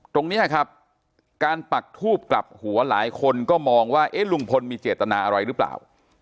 ตรงนี้ครับการปักทูบกลับหัวหลายคนก็มองว่าเอ๊ะลุงพลมีเจตนาอะไรหรือเปล่า